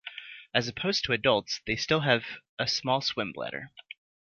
As opposed to adults, they still have a small swim bladder.